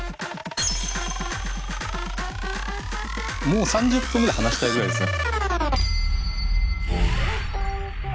もう３０分ぐらい話したいぐらいですね。